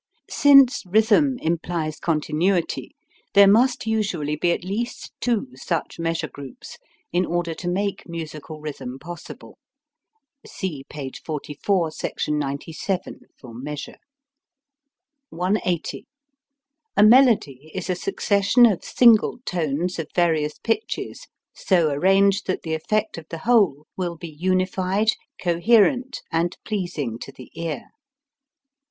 Since rhythm implies continuity, there must usually be at least two such measure groups in order to make musical rhythm possible. (See p. 44, Sec. 97.) 180. A melody is a succession of single tones of various pitches so arranged that the effect of the whole will be unified, coherent, and pleasing to the ear.